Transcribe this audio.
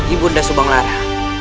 ibu dan subang lara